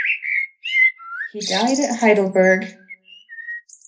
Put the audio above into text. He died at Heidelberg.